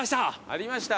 ありました。